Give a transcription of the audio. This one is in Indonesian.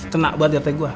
kena banget dapet gue